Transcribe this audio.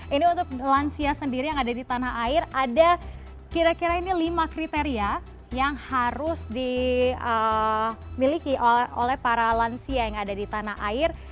ini untuk lansia sendiri yang ada di tanah air ada kira kira ini lima kriteria yang harus dimiliki oleh para lansia yang ada di tanah air